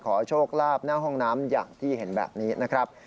โชคลาภหน้าห้องน้ำอย่างที่เห็นแบบนี้นะครับ